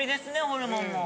ホルモンも。